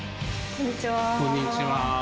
こんにちは。